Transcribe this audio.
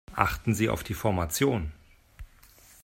Achten Sie auf die Formation.